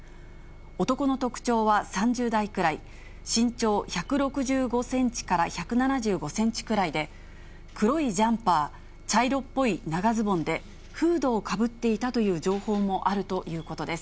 男の特徴は３０代くらい、身長１６５センチから１７５センチくらいで、黒いジャンパー、茶色っぽい長ズボンでフードをかぶっていたという情報もあるということです。